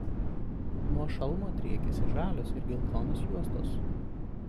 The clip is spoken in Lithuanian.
Nuo šalmo driekiasi žalios ir geltonos juostos.